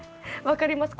分かります。